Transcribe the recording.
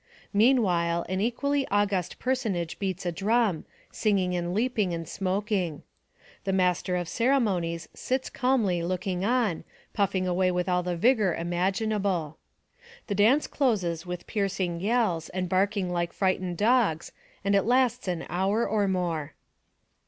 Meanwhile an equally august personage beats a drum, singing and leaping and smoking. The master of ceremonies sits calmly looking on, puffing away with all the vigor imaginable. The dance closes with piercing yells, and barking like frightened dogs, and it lasts an hour or more.